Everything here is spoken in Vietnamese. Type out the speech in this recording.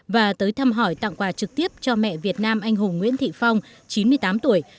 và tới thăm hỏi tặng quà trực tiếp cho mẹ việt nam anh hùng nguyễn thị phong chín mươi tám tuổi